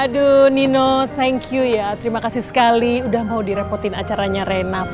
dipanggil hijau ayam di timbul raya jawa